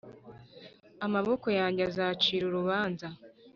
Amaboko yanjye azacira urubanza